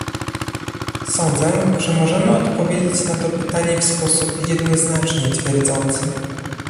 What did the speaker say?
Sądzę, że możemy odpowiedzieć na to pytanie w sposób jednoznacznie twierdzący